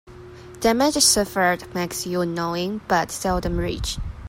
Damage suffered makes you knowing, but seldom rich.